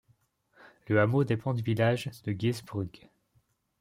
Le hameau dépend du village de Geesbrug.